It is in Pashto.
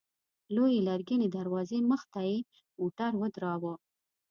لويې لرګينې دروازې مخته يې موټر ودراوه.